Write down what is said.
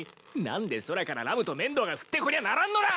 何で空からラムと面堂が降ってこにゃならんのだ！